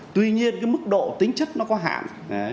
tuy nhiên mức độ tính chất nó có hạn